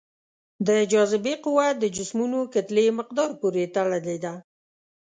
د جاذبې قوه د جسمونو کتلې مقدار پورې تړلې ده.